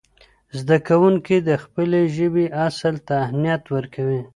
زده کوونکي د خپلې ژبې اصل ته اهمیت ورکوي.